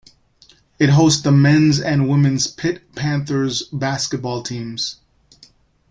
It hosts the men's and women's Pitt Panthers basketball teams.